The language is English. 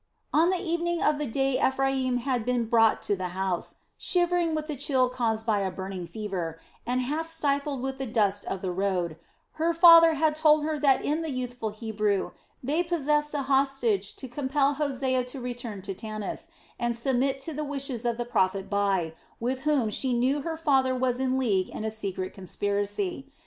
On the evening of, the day Ephraim bad been brought to the house, shivering with the chill caused by burning fever, and half stifled with the dust of the road, her father lead told her that in the youthful Hebrew they possessed a hostage to compel Hosea to return to Tanis and submit to the wishes of the prophet Bai, with whom she knew her father was leagued in a secret conspiracy.